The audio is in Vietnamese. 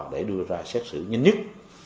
để đưa ra xét xử nhanh nhất